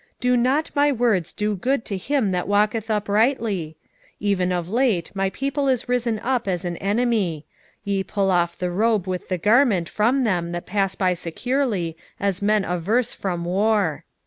do not my words do good to him that walketh uprightly? 2:8 Even of late my people is risen up as an enemy: ye pull off the robe with the garment from them that pass by securely as men averse from war.